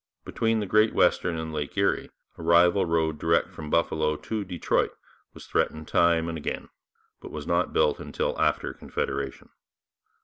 Between the Great Western and Lake Erie a rival road direct from Buffalo to Detroit was threatened time and again, but was not built until after Confederation.